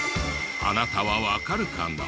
あなたはわかるかな？